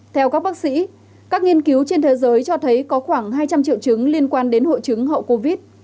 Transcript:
theo các bác sĩ các nghiên cứu trên thế giới cho thấy có khoảng hai trăm linh triệu chứng liên quan đến hội chứng hậu covid